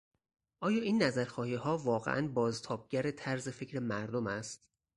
آیا این نظرخواهیها واقعا بازتابگر طرز فکر مردم است؟